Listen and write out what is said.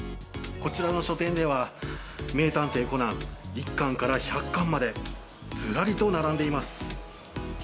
こちらの書店では「名探偵コナン」１巻から１００巻までずらりと並んでいます。